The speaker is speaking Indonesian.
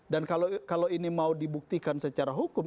dan kalau ini mau dibuktikan secara hukum